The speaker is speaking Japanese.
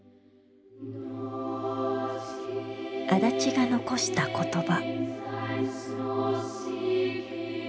足立が残した言葉。